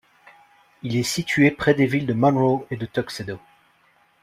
Il est situé près des villes Monroe et de Tuxedo.